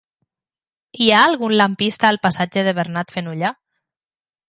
Hi ha algun lampista al passatge de Bernat Fenollar?